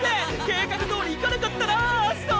計画どおりいかなかったな葦人！